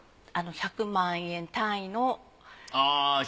１００万円単位の。